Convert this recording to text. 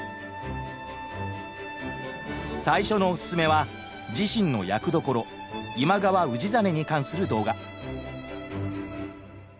最初のおススメは自身の役どころ今川氏真に関する動画。